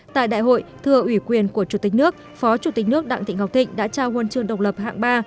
tại đại hội thưa ủy quyền của chủ tịch nước phó chủ tịch nước đặng thị ngọc thịnh đã trao huân chương độc lập hạng ba